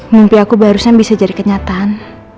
mimpi aku barusan bisa jadi kenyataan